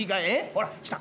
ほら来た。